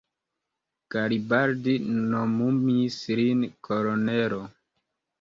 Garibaldi nomumis lin kolonelo.